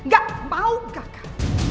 gak mau gagal